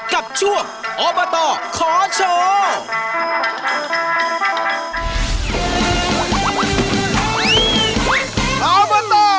กับช่วงอบตขอโชว์